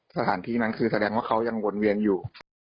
สถานที่นั้นคือแสดงว่าเขายังวนเวียนอยู่